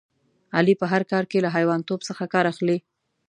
علي په هر کار کې له حیوانتوب څخه کار اخلي.